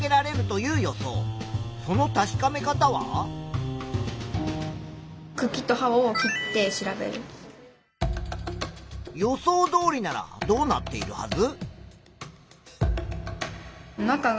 その確かめ方は？予想どおりならどうなっているはず？